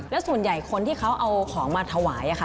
แล้วส่วนใหญ่คนที่เขาเอาของมาถวาย